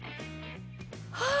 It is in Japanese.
ああ！